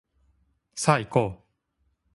さあいこう